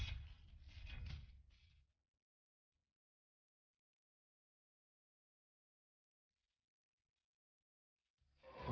masa sih sama kayak ini